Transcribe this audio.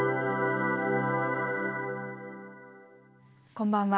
こんばんは。